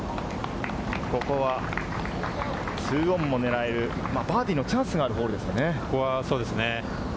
ここは２オンを狙えるバーディーのチャンスのあるホールです。